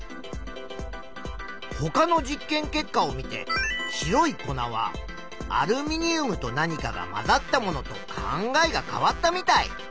ほかの実験結果を見て白い粉はアルミニウムと何かが混ざったものと考えが変わったみたい。